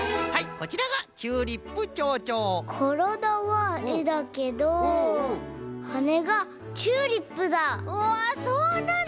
からだはえだけどはねがチューリップだ！